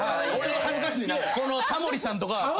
タモリさんとか。